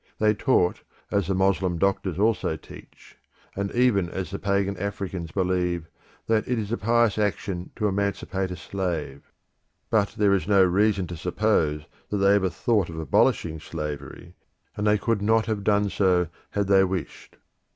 They taught as the Moslem doctors also teach, and as even the pagan Africans believe, that it is a pious action to emancipate a slave. But there is no reason to suppose that they ever thought of abolishing slavery, and they could not have done so had they wished.